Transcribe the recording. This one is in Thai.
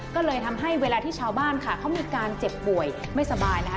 ก็เลยทำให้เวลาที่ชาวบ้านค่ะเขามีการเจ็บป่วยไม่สบายนะคะ